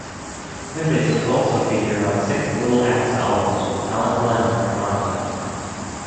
Wimbish was also featured on six Little Axe albums with Alan Glen on harmonica.